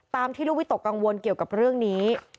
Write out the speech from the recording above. ที่ลูกวิตกกังวลเกี่ยวกับเรื่องนี้